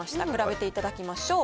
比べていただきましょう。